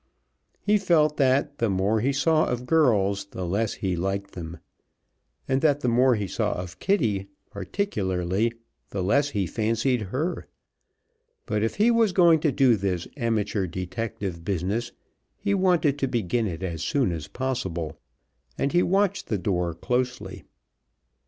He felt that the more he saw of girls the less he liked them, and that the more he saw of Kitty, particularly, the less he fancied her, but if he was going to do this amateur detective business he wanted to begin it as soon as possible, and he watched the door closely.